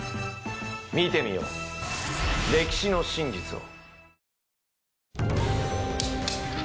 見てみよう歴史の真実を。